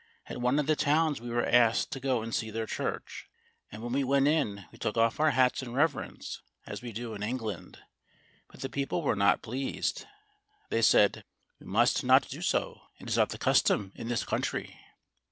At one of the towns we were asked to go and see their church, and when we went in we took off our hats in reverence, as we do in England, but the people were not pleased, they said: "You must not do so, it is not the custom in this country."